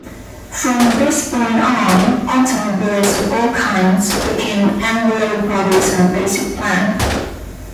From this point on, automobiles of all kinds became envelope bodies in basic plan.